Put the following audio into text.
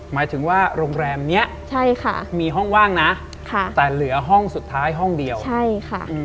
หมายถึงว่าโรงแรมเนี้ยใช่ค่ะมีห้องว่างนะแต่เหลือห้องสุดท้ายห้องเดียวใช่ค่ะ